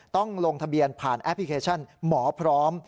ต้องลงทะเบียนผ่านแอปพลิเคชันหมอพร้อม